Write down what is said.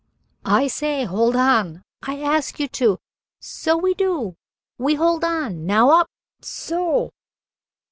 "I say! Hold on! I ask you to " "So we do. We hold on. Now, up so."